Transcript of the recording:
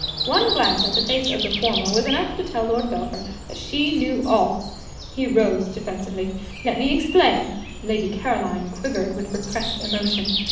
One glance at the face of the former was enough to tell Lord Belpher that she knew all. He rose defensively. "Let me explain." Lady Caroline quivered with repressed emotion.